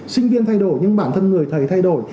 sinh viên thay đổi nhưng bản thân người thầy thay đổi